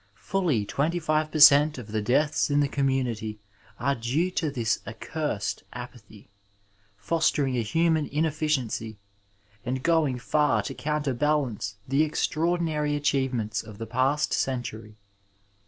Fully 25 per cent, of the deaths in the community are due to this accursed apathy, fostering a human inefficiency, and going far to counterbalance the extraordinary achievements of the past century.